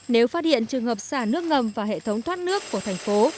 nếu phát hiện trường hợp xả nước ngầm và hệ thống thoát nước của thành phố